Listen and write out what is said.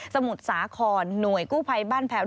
มุทรสาครหน่วยกู้ภัยบ้านแพ้ว